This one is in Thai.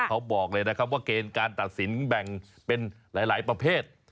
เขาบอกเลยนะครับว่าเกณฑ์การตัดสินแบ่งเป็นหลายประเภท